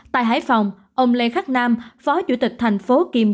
tại hải phòng ông lê khắc nam phó chủ tịch thành phố kim